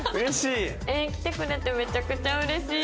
えっ来てくれてめちゃくちゃうれしい！